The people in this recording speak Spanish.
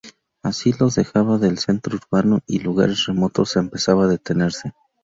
Así, los alejaba del centro urbano y en lugares remotos empezaba a detenerse.